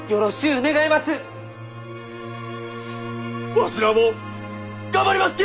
わしらも頑張りますき！